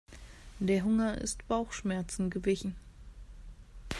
Der Hunger ist Bauchschmerzen gewichen.